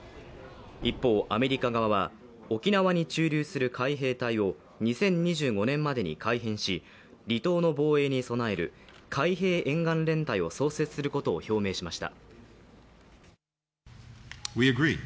一方、アメリカ側は沖縄に駐留する海兵隊を２０２５年までに改編し離島の防衛に備える海兵沿岸連隊を創設することを表明しました。